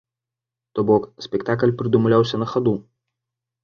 То бок спектакль прыдумляўся на хаду.